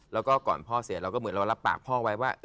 แล้วก็ก่อนพ่อเสียเราก็เหมือนเรารับปากพ่อไว้ว่า